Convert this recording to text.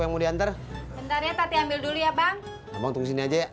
gampang tunggu sini aja ya